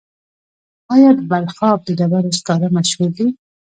آیا د بلخاب د ډبرو سکاره مشهور دي؟